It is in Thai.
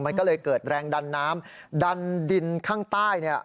มันก็เลยเกิดแรงดันน้ำดันดินข้างใต้เนี่ย